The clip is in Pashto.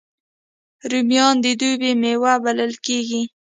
رومیان د دوبي میوه بلل کېږي